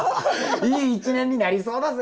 いい一年になりそうだぜ！